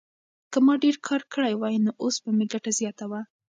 که ما ډېر کار کړی وای نو اوس به مې ګټه زیاته وه.